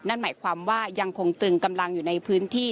นั่นหมายความว่ายังคงตรึงกำลังอยู่ในพื้นที่